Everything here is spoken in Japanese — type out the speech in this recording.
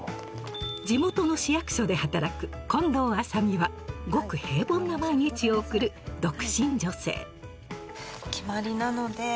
地元の市役所で働く近藤麻美はごく平凡な毎日を送る独身女性決まりなので。